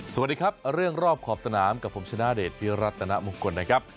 สวัสดีครับเรื่องรอบขอบสนามกับผมชนะเดชพิรัตนมงคลนะครับ